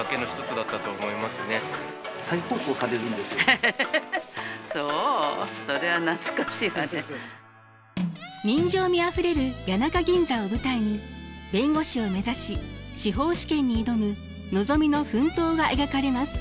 エヘヘそう人情味あふれる谷中銀座を舞台に弁護士を目指し司法試験に挑むのぞみの奮闘が描かれます。